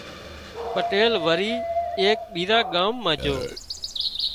پٽيل وري ايڪ ٻيۯان ڳام مان جھو